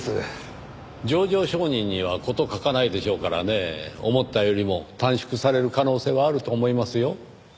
情状証人には事欠かないでしょうからね思ったよりも短縮される可能性はあると思いますよ。